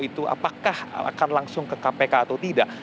itu apakah akan langsung ke kpk atau tidak